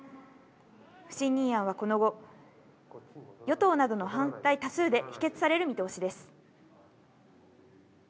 不信任案はこの後、与党などの反対多数で否決される見通しです。